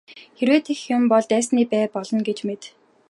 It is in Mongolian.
Хэрвээ тэгэх юм бол дайсны бай болно гэж мэд.